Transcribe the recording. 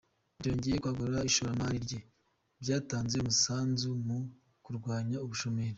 Byongeye kwagura ishoramari rye, byatanze umusanzu mu kurwanya ubushomeri.